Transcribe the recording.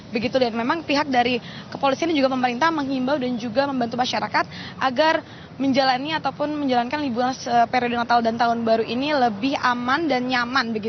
begitu dan memang pihak dari kepolisian dan juga pemerintah menghimbau dan juga membantu masyarakat agar menjalani ataupun menjalankan liburan periode natal dan tahun baru ini lebih aman dan nyaman